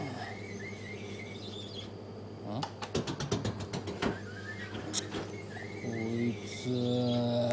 あ？こいつ！